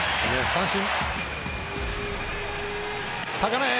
三振！